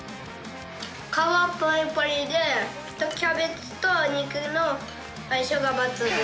皮ぱりぱりで、キャベツと肉の相性が抜群。